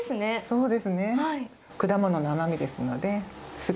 そうですね。